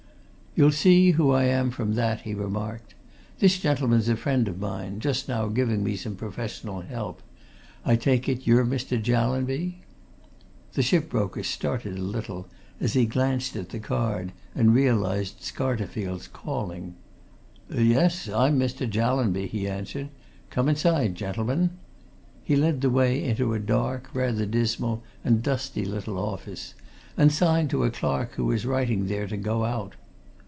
"You'll see who I am from that," he remarked. "This gentleman's a friend of mine just now giving me some professional help. I take it you're Mr. Jallanby?" The ship broker started a little as he glanced at the card and realized Scarterfield's calling. "Yes, I'm Mr. Jallanby," he answered. "Come inside, gentlemen." He led the way into a dark, rather dismal and dusty little office, and signed to a clerk who was writing there to go out.